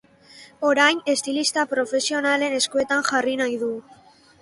Orain, estilista profesionalen eskuetan jarri nahi du.